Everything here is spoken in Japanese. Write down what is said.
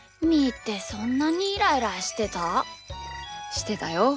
してたよ。